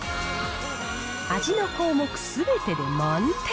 味の項目すべてで満点。